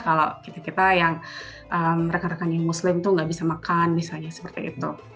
kalau kita kita yang rekan rekan yang muslim tuh gak bisa makan misalnya seperti itu